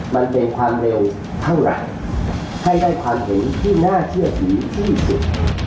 มันเป็นความเร็วเท่าไหร่ให้ได้ความเห็นที่น่าเชื่อถือที่สุด